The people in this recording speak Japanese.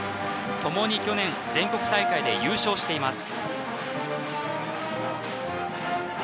ともに去年全国大会で優勝しています。